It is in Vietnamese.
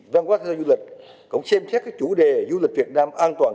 văn quốc các du lịch cũng xem xét các chủ đề du lịch việt nam an toàn